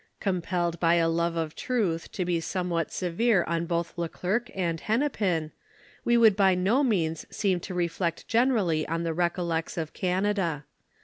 Compelled by a love of truth to be somewhat severe on both le Glercq and Hennepin, we would by no means seem to reflect generally on the Recollects of Canada.